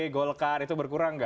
golkar itu berkurang tidak